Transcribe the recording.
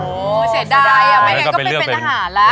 เสียดายไม่งั้นก็ไปเป็นอาหารแล้ว